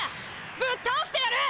ぶっ倒してやる！